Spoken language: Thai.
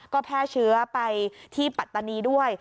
ก็แพร่เชื้อไปที่ปัตตานีด้วย